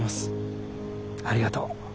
ありがとう。